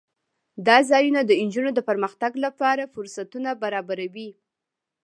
دا ځایونه د نجونو د پرمختګ لپاره فرصتونه برابروي.